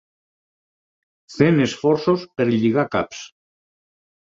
...fent esforços per lligar caps